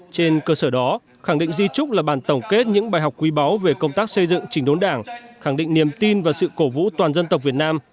trên cơ sở đó khẳng định di trúc là bàn tổng kết những bài học quý báu về công tác xây dựng chỉnh đốn đảng khẳng định niềm tin và sự cổ vũ toàn dân tộc việt nam